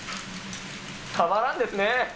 たまらんですね。